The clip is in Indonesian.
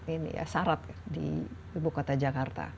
ini ya syarat di ibu kota jakarta